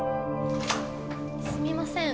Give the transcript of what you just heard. すみません